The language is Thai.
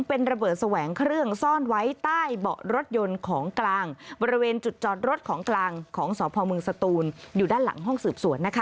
เอาไว้ในถังขยับ